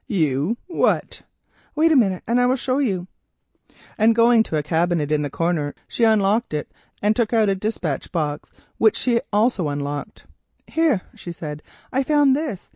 "You, what?" "Wait a minute and I will show you," and going to a cabinet in the corner, she unlocked it, and took out a despatch box, which she also unlocked. "Here," she said, "I found this.